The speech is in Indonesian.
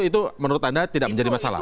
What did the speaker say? itu menurut anda tidak menjadi masalah